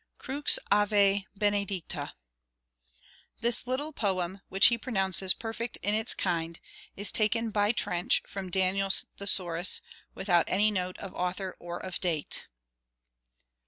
CRUX AVE BENEDICTA This little poem, which he pronounces "perfect in its kind," is taken by Trench from Daniel's Thesaurus, without any note of author or of date.